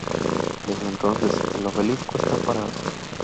Desde entones, el obelisco está parado.